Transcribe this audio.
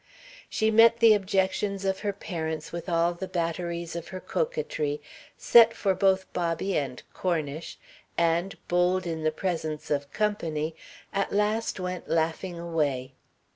She met the objections of her parents with all the batteries of her coquetry, set for both Bobby and Cornish and, bold in the presence of "company," at last went laughing away.